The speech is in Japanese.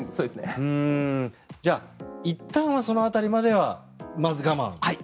じゃあいったんはその辺りまではまず我慢。